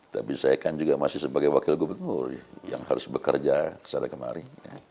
tapi saya kan juga masih sebagai wakil gubernur yang harus bekerja secara kemari